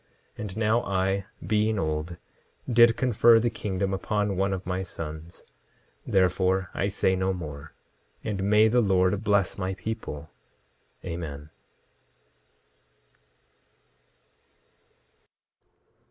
10:22 And now I, being old, did confer the kingdom upon one of my sons; therefore, I say no more. And may the Lord bless my people. Amen.